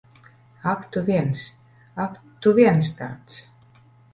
Ak tu viens. Ak, tu viens tāds!